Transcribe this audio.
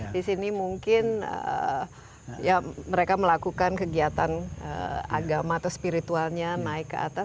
di sini mungkin ya mereka melakukan kegiatan agama atau spiritualnya naik ke atas